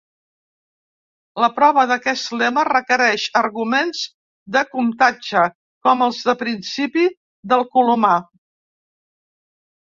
La prova d'aquest lema requereix arguments de comptatge, com els del principi del colomar.